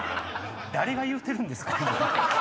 誰が言うてるんですか！